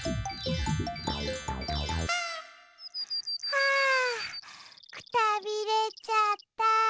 はあくたびれちゃった。